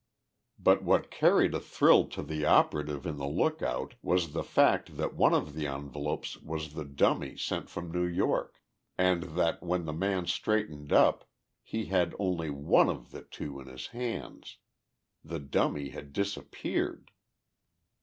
But what carried a thrill to the operative in the lookout was the fact that one of the envelopes was the dummy sent from New York and that, when the man straightened up, he had only one of the two in his hands. The dummy had disappeared!